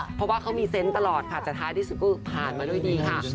เพราะว่าเขามีเซนต์ตลอดค่ะแต่ท้ายที่สุดก็ผ่านมาด้วยดีค่ะ